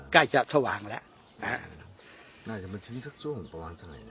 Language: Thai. ใกล้จะสว่างแล้ว